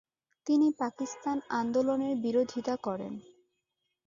তিনি পাকিস্তান আন্দোলনের বিরোধীতা করেন।